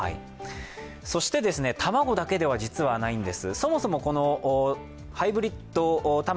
そして卵だけでは実はないんです。